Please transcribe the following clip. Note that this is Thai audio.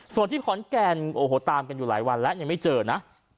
ส่วนที่ขอนแก่นโอ้โหตามกันอยู่หลายวันแล้วยังไม่เจอนะ